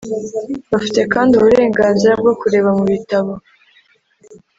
Bafite kandi uburenganzira bwo kureba mubitabo